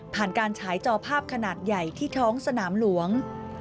การฉายจอภาพขนาดใหญ่ที่ท้องสนามหลวง